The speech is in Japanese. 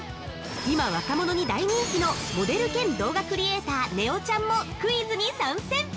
今、若者に大人気のモデル兼動画クリエーター・ねおちゃんもクイズに参戦！